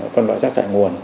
phân loại rác thải nguồn